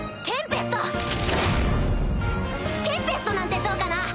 「テンペスト」なんてどうかな？